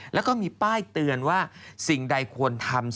แล้วก็มีป้ายเตือนว่าสิ่งใดควรทำ